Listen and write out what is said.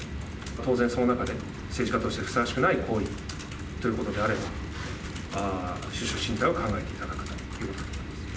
当然、その中で、政治家としてふさわしくない行為ということであれば、出処進退を考えていただくということです。